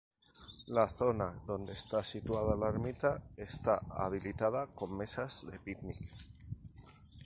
La zona donde está situada la ermita está habilitada con mesas de picnic.